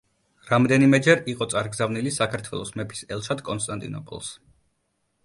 რამდენიმეჯერ იყო წარგზავნილი საქართველოს მეფის ელჩად კონსტანტინოპოლს.